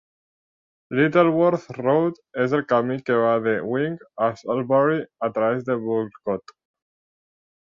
Littleworth Road és el camí que va de Wing a Soulbury a través de Burcott.